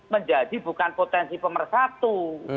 menjadi bukan potensi pemersatu